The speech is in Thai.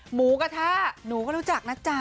หมูกระทะหนูก็รู้จักนะจ๊ะ